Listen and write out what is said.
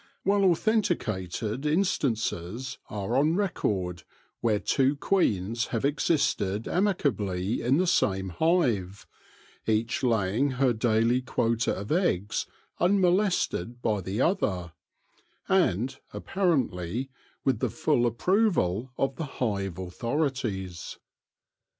Well authenticated in stances are on record where two queens have existed amicably in the same hive, each laying her daily quota of eggs unmolested by the other, and, appa rently, with the full approval of the hive authorities.